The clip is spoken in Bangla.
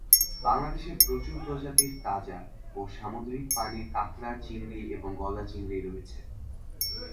বাংলাদেশে প্রচুর প্রজাতির তাজা ও সামুদ্রিক-পানির কাঁকড়া, চিংড়ি এবং গলদা চিংড়ি হয়েছে।